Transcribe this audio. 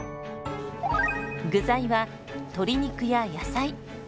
具材は鶏肉や野菜。